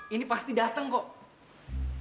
ini pasti datang kok